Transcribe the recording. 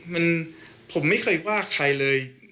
มันผมไม่เคยว่าใครเลย